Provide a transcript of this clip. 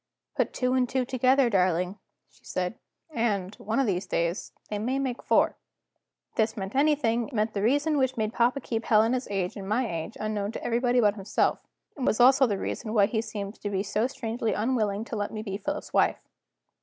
"Put two and two together, darling," she said; "and, one of these days, they may make four." If this meant anything, it meant that the reason which made papa keep Helena's age and my age unknown to everybody but himself, was also the reason why he seemed to be so strangely unwilling to let me be Philip's wife.